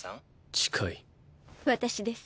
近い私です。